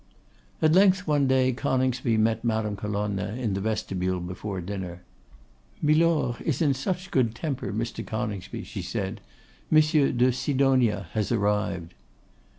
At length one day Coningsby met Madame Colonna in the vestibule before dinner. 'Milor is in such good temper, Mr. Coningsby,' she said; 'Monsieur de Sidonia has arrived.